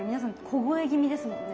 小声気味ですもんね。